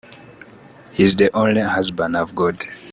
He's the only husband I've got.